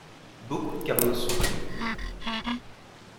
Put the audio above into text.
Beaucoup de Carlos sont connus.